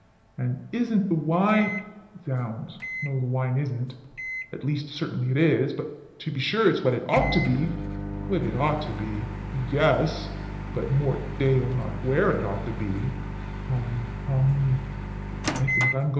And isn't the wine Zounds, no, the wine isn't at least, certainly it is to be sure it's what it ought to be what it ought to be? Yes! But, Mort d'aieul! not where it ought to be! Hum! hum!